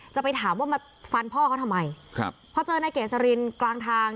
จะไปถามว่ามาฟันพ่อเขาทำไมครับพอเจอนายเกษรินกลางทาง